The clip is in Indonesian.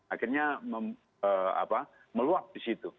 akhirnya meluap di situ